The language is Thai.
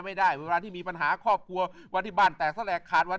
ไม่ได้เวลาที่มีปัญหาครอบครัววันที่บ้านแตกแลกขาดวัน